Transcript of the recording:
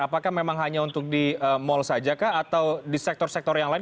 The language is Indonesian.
apakah memang hanya untuk di mal saja kah atau di sektor sektor yang lain